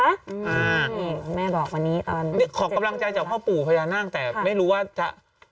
อ่านี่แม่บอกวันนี้ขอกำลังใจจากพ่อปู่พญานาคแต่ไม่รู้ว่าจะ